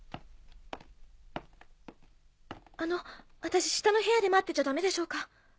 あの私下の部屋で待ってちゃダメでしょうか？